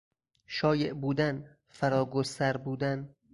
شایع بودن، فراگستر بودن